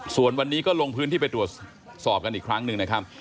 ส่วนวันนี้ก็ลงพื้นที่ไปตรวจสอบกันอีกครั้งหนึ่งนะครับ